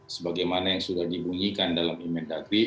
sebagaimana yang sudah dibunyikan dalam inventagri